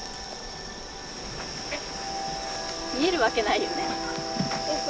見えるわけないよね。